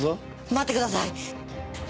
待ってください！